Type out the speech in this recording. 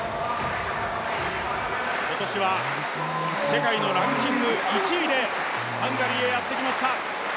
今年は世界のランキング１位でハンガリーへやってきました。